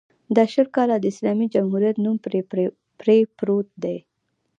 دا شل کاله د اسلامي جمهوریت نوم پرې پروت دی.